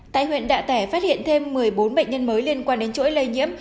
tại huyện đạ tẻ phát hiện thêm một mươi bốn bệnh nhân mới liên quan đến chuỗi lây nhiễm